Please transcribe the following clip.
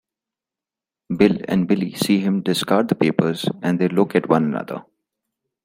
Bill and Billie see him discard the papers, and they look at one another.